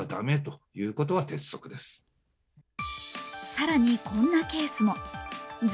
更にこんなケースも。